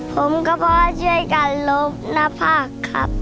ผมก็เพราะว่าช่วยกันลบหน้าผากครับ